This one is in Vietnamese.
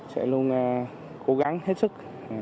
sẽ luôn cố gắng hết sức